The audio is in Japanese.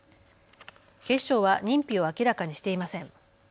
警視庁は認否を明らかにしていません。